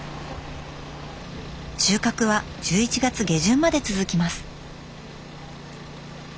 収穫は１１月下旬まで続きます。